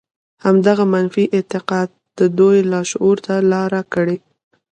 همدغه منفي اعتقاد د دوی لاشعور ته لاره کړې